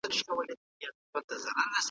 سوسیالستي نظام کي شخصي ملکیت ته ځای نسته.